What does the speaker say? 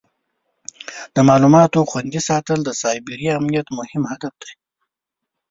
د معلوماتو خوندي ساتل د سایبري امنیت مهم هدف دی.